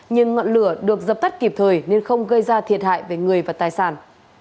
nhưng ngọn lửa được dập tắt kịp thời nên không gây ra thiệt hại về người và tài sản